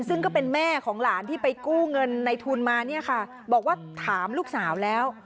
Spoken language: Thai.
ซึ่งก็เป็นแม่ของหลานที่ไปกู้เงินในทุนมาเนี่ยค่ะบอกว่าถามลูกสาวแล้ว